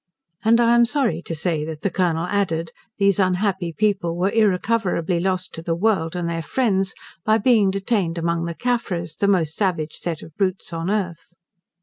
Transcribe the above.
And I am sorry to say that the Colonel added, these unhappy people were irrecoverably lost to the world and their friends, by being detained among the Caffres, the most savage set of brutes on earth.